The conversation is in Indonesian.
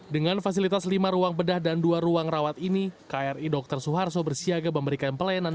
dengan fasilitas lima ruang bedah dan dua ruang rawat ini kri dr suharto bersiaga memberikan pelayanan